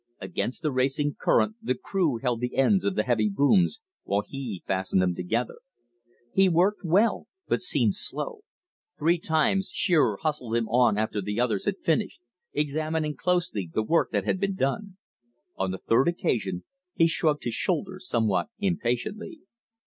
Against the racing current the crew held the ends of the heavy booms, while he fastened them together. He worked well, but seemed slow. Three times Shearer hustled him on after the others had finished, examining closely the work that had been done. On the third occasion he shrugged his shoulder somewhat impatiently.